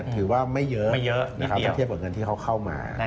ถือว่าไม่เยอะนะครับเทียบกับเงินที่เขาเข้ามา